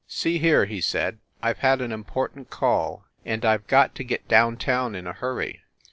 "See here," he said, "I ve had an important call, and I ve got to get down town in a hurry.